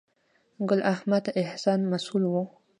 ګل احمد احسان مسؤل و.